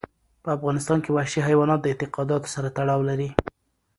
په افغانستان کې وحشي حیوانات د اعتقاداتو سره تړاو لري.